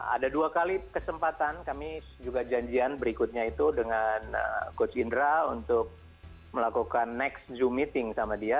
ada dua kali kesempatan kami juga janjian berikutnya itu dengan coach indra untuk melakukan next zoom meeting sama dia